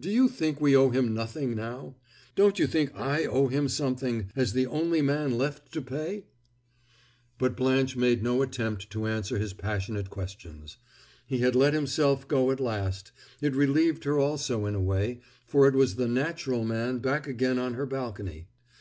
Do you think we owe him nothing now? Don't you think I owe him something, as the only man left to pay?" But Blanche made no attempt to answer his passionate questions. He had let himself go at last; it relieved her also in a way, for it was the natural man back again on her balcony.